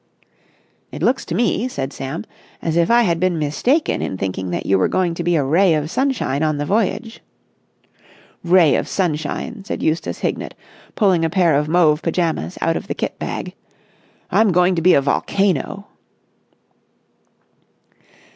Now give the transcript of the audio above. "It looks to me," said Sam, "as if I had been mistaken in thinking that you were going to be a ray of sunshine on the voyage." "Ray of sunshine!" said Eustace Hignett, pulling a pair of mauve pyjamas out of the kit bag. "I'm going to be a volcano!"